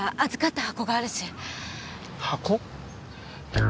箱？